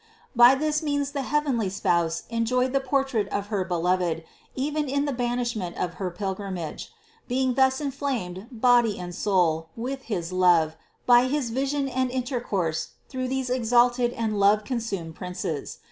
370. By this means the heavenly Spouse enjoyed the portrait of her Beloved even in the banishment of her pilgrimage, being thus inflamed body and soul with his love by his vision and intercourse through these exalted and love consumed princes.